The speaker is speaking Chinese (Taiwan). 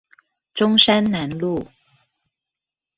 中山南路